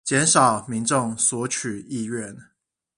減少民眾索取意願